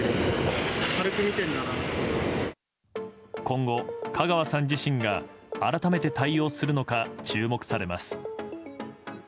今後、香川さん自身が改めて対応するのか注目されます。